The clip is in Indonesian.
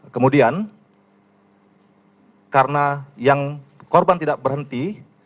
kemudian karena yang korban tidak berhenti